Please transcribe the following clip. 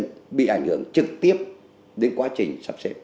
các cá nhân bị ảnh hưởng trực tiếp đến quá trình sắp xếp